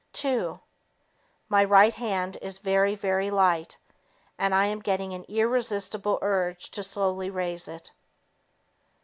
Two ... My right hand is very, very light, and I am getting an irresistible urge to slowly raise it.